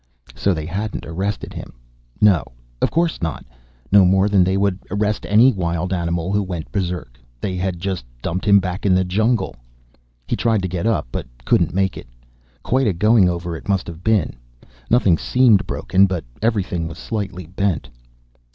So they hadn't arrested him. No, of course not; no more than they would arrest any wild animal who went berserk. They had just dumped him back in the jungle. He tried to get up, but couldn't make it. Quite a going over it must have been. Nothing seemed broken, but everything was slightly bent.